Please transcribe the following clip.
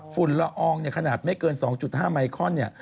ฝุ่นละอองขนาดไม่เกิน๒๕ไมคอน